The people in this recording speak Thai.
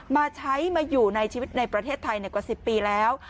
มาใช้มาอยู่ในชีวิตในประเทศไทยกว่า๑๐ปีแล้ว